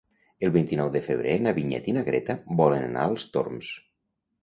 El vint-i-nou de febrer na Vinyet i na Greta volen anar als Torms.